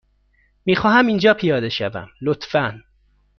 می خواهم اینجا پیاده شوم، لطفا.